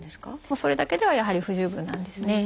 それだけではやはり不十分なんですね。